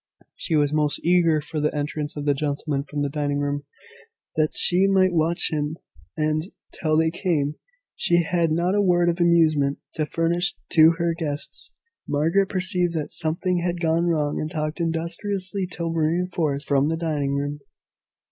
She was most eager for the entrance of the gentlemen from the dining room, that she might watch him and, till they came, she had not a word of amusement to furnish to her guests. Margaret perceived that something had gone wrong and talked industriously till reinforced from the dining room.